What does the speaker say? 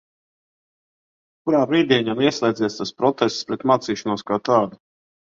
Kurā brīdī viņam ir ieslēdzies tas protests pret mācīšanos kā tādu?